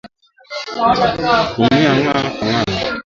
Tumia nga wa ngano